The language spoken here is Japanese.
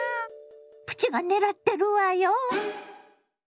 プチが狙ってるわよ。